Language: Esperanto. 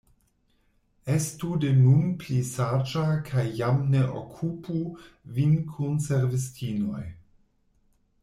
Estu de nun pli saĝa kaj jam ne okupu vin kun servistinoj.